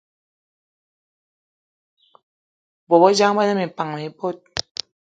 Bôbejang be ne minpan mi bot